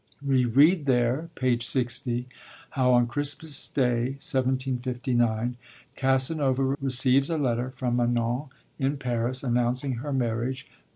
We read there (page 60) how on Christmas Day, 1759, Casanova receives a letter from Manon in Paris, announcing her marriage with 'M.